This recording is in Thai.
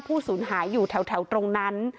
สูญหายอยู่แถวตรงนั้น